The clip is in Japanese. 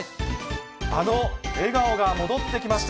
あの笑顔が戻ってきました。